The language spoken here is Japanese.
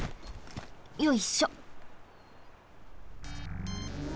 よいしょ。